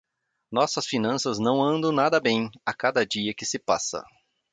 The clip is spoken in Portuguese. Nossas finanças não andam nada bem, a cada dia que se passa.